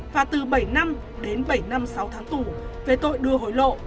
và từ bảy năm đến bảy năm sáu tháng tù về tội đưa hối lộ